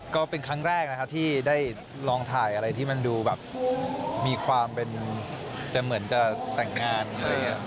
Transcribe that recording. ก็เป็นครั้งแรกนะครับที่ได้ลองถ่ายอะไรที่มันดูแบบมีความเป็นจะเหมือนจะแต่งงานอะไรอย่างนี้